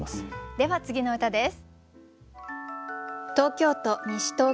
では次の歌です。